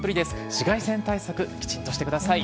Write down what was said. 紫外線対策きちんとしてください。